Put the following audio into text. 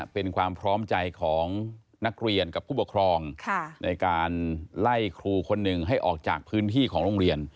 เป็นความพร้อมใจของนักเรียนกับผู้ปกครองในการไล่ครูคนหนึ่งให้ออกจากพื้นที่ของโรงเรียน